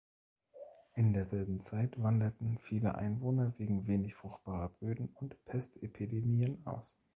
In derselben Zeit wanderten viele Einwohner wegen wenig fruchtbarer Böden und Pestepidemien aus.